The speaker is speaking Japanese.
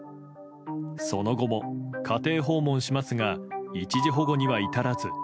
その後も家庭訪問しますが一時保護には至らず。